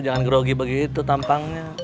jangan grogi begitu tampangnya